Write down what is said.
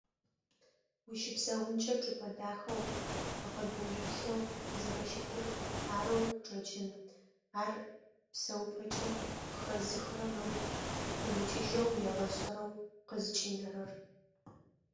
Ущыпсэункӏэ чӏыпӏэ дахэу, гъэбэжъулъэу зэрэщытыр арэу къычӏэкӏын, ар псэупӏэкӏэ къыхэзыхырэм ыгу пымыкӏыжьэу егъэшӏэрэу къызкӏинэрэр.